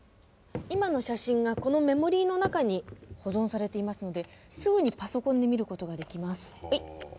今の写真がこのメモリーの中に保存されていますのですぐにパソコンで見ることができます。